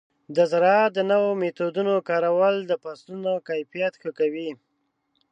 د زراعت د نوو میتودونو کارول د فصلونو کیفیت ښه کوي.